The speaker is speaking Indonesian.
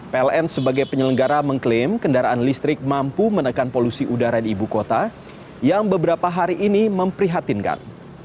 pln sebagai penyelenggara mengklaim kendaraan listrik mampu menekan polusi udara di ibu kota yang beberapa hari ini memprihatinkan